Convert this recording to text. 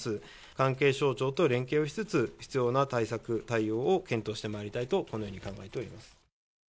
関係省庁と連携をしつつ、必要な対策、対応を検討してまいりたいと、このように考えております。